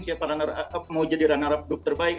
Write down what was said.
siapa runner up mau jadi runner up group terbaik